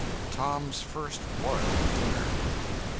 Tom's first royal dinner.